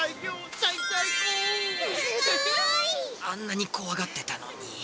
あんなにこわがってたのに。